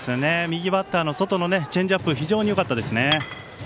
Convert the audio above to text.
右バッターの外のチェンジアップ非常によかったですよね。